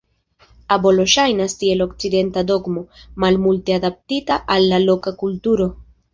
Abolo ŝajnas tiel okcidenta dogmo, malmulte adaptita al la loka kulturo.